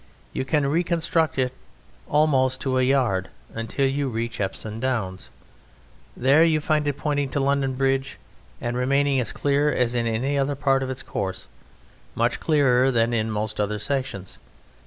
You can reconstruct it almost to a yard until you reach Epsom Downs. There you find it pointing to London Bridge, and remaining as clear as in any other part of its course: much clearer than in most other sections.